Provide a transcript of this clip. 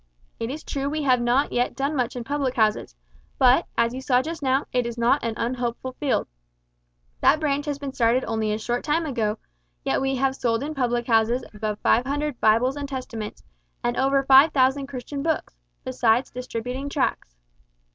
It is true we have not yet done much in public houses, but, as you saw just now, it is not an unhopeful field. That branch has been started only a short time ago, yet we have sold in public houses above five hundred Bibles and Testaments, and over five thousand Christian books, besides distributing tracts."